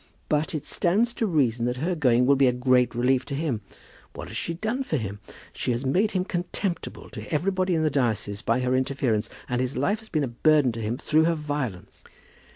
"But it stands to reason that her going will be a great relief to him. What has she done for him? She has made him contemptible to everybody in the diocese by her interference, and his life has been a burden to him through her violence."